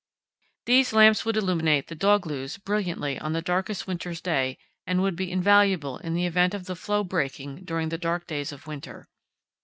These lamps would illuminate the "dogloos" brilliantly on the darkest winter's day and would be invaluable in the event of the floe breaking during the dark days of winter.